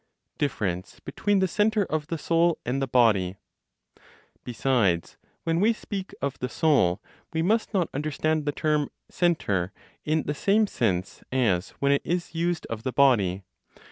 DIFFERENCE BETWEEN THE CENTRE OF THE SOUL AND THE BODY. Besides, when we speak of the Soul, we must not understand the term "centre" in the same sense as when it is used of the body.